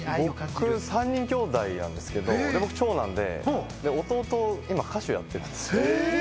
僕３人きょうだいなんですけど、僕が長男で弟が今、歌手やってるんです。